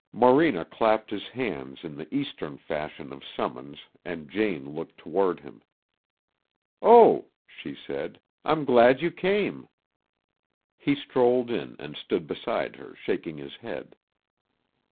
Morena clapped his hands in the Eastern fashion of summons, and Jane looked toward him. "Oh," she said, "I'm glad you came." He strolled in and stood beside her shaking his head.